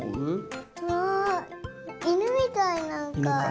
わあイヌみたいなんか。